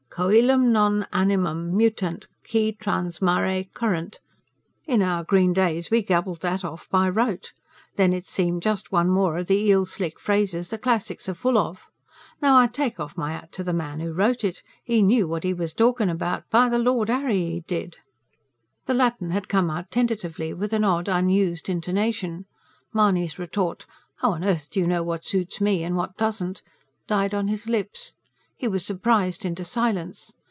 COELUM, NON ANIMUM, MUTANT, QUI TRANS MARE CURRUNT. In our green days we gabbled that off by rote; then, it seemed just one more o' the eel sleek phrases the classics are full of. Now, I take off my hat to the man who wrote it. He knew what he was talkin' about by the Lord Harry, he did!" The Latin had come out tentatively, with an odd, unused intonation. Mahony's retort: "How on earth do you know what suits me and what doesn't?" died on his lips. He was surprised into silence.